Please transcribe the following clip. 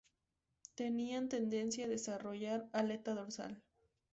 Tenían tendencia a desarrollar aleta dorsal.